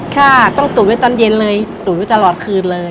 ค่ะต้องตุ๋นไว้ตอนเย็นเลยตูดไว้ตลอดคืนเลย